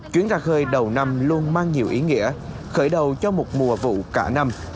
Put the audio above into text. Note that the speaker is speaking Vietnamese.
chuyến ra khơi đầu năm luôn mang nhiều ý nghĩa khởi đầu cho một mùa vụ cả năm